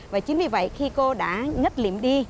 và chính vì vậy khi cô đã ngất liễm đi